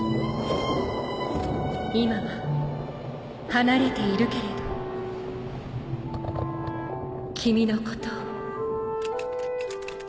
「今は離れているけれど君のことを」。